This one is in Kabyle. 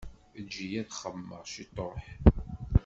Eǧǧ-iyi ad xemmemeɣ ciṭuḥ.